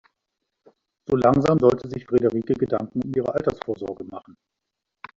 So langsam sollte sich Frederike Gedanken um ihre Altersvorsorge machen.